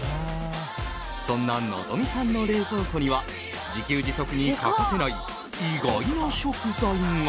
そんなＮｏｚｏｍｉさんの冷蔵庫には自給自足に欠かせない意外な食材が。